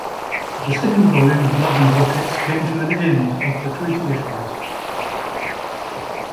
The second volume of "Love and Rockets" came to an end after twenty issues.